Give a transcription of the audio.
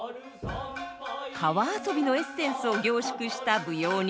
川遊びのエッセンスを凝縮した舞踊に。